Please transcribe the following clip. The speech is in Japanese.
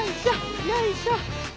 よいしょ！